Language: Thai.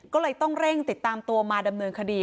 ก็เลยต้องเร่งติดตามตัวมาดำเนินคดี